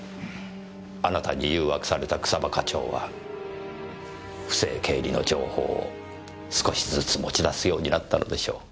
あなたに誘惑された草葉課長は不正経理の情報を少しずつ持ち出すようになったのでしょう。